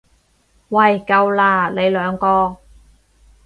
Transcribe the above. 喂夠喇，你兩個！